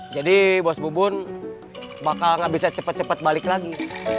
jadi bos bubun bakal gak bisa cepat cepat balik lagi